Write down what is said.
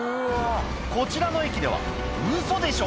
こちらの駅ではウソでしょ